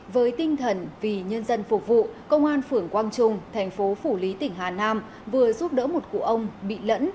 với tinh thần vì nhân dân phục vụ công an phưởng quang trung thành phố phủ lý tỉnh hà nam vừa giúp đỡ một cụ ông bị lẫn